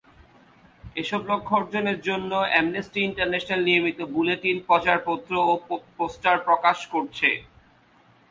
এসব লক্ষ্য অর্জনের জন্য অ্যামনেস্টি ইন্টারন্যাশনাল নিয়মিত বুলেটিন, প্রচারপত্র ও পোস্টার প্রকাশ করছে।